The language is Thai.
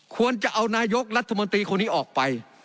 ควรจะเอานายกรัฐมนตรีคนนี้ออกไป